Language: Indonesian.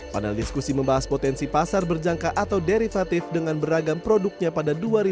panel diskusi membahas potensi pasar berjangka atau derivatif dengan beragam produknya pada dua ribu dua puluh